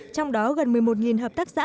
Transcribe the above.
trong đó gần một mươi một hợp tác xã